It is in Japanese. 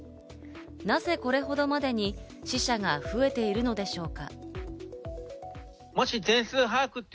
なぜこれほどまでに死者が増えているのでしょうか？